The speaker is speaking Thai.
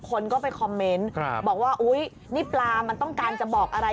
คนก็ไปคอมเมนต์บอกว่าอุ๊ยนี่ปลามันต้องการจะบอกอะไร